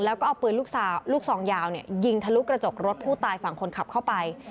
แล้วก็เอาปืนลูกซองยาวยิงทะลุกระจกรถผู้ตายฝั่งคนขับเข้าไป